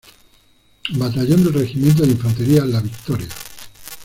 Batallón del Regimiento de Infantería La Victoria.